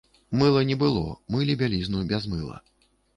Мыла не было, мылі бялізну без мыла.